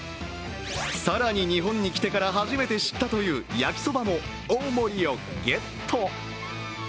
更に、日本に来てから初めて知ったという焼きそばも大盛りをゲット。